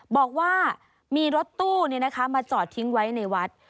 บอกว่ามีรถตู้มาจอดทิ้งไว้ในวัด